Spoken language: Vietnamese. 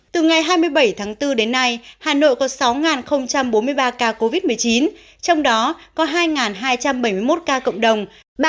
từ ngày hai mươi bảy tháng bốn đến nay hà nội có sáu bốn mươi ba ca covid một mươi chín trong đó có hai hai trăm bảy mươi một ca cộng đồng